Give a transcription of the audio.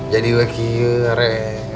jadi lagi kere